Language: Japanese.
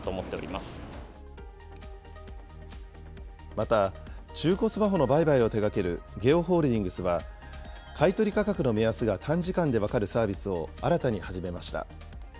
また、中古スマホの売買を手がけるゲオホールディングスは、買い取り価格の目安が短時間で分かるサービスを新たに始めました。